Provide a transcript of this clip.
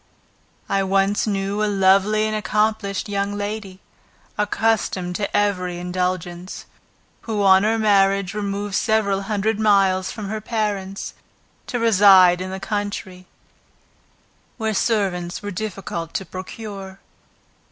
I once knew a lovely and accomplished young lady, accustomed to every indulgence, who, on her marriage, removed several hundred miles from her parents, to reside in the country, where servants were difficult to procure.